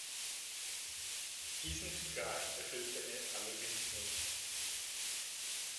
Diesen Vertrag erfüllte er allerdings nicht.